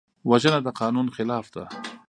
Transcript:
وژنه د قانون خلاف ده